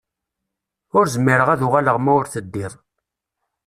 Ur zmireɣ ad uɣaleɣ ma ur teddiḍ.